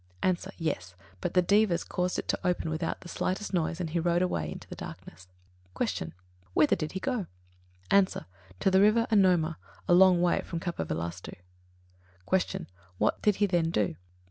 _ A. Yes; but the Devas caused it to open without the slightest noise, and he rode away into the darkness. 43. Q. Whither did he go? A. To the river Anomā, a long way from Kapilavāstu. 44. Q. _What did he then do?